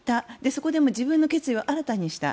そこで自分の決意を新たにした。